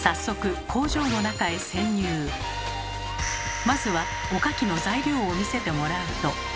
早速まずはおかきの材料を見せてもらうと。